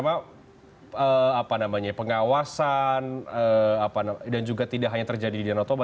apa namanya pengawasan dan juga tidak hanya terjadi di danau toba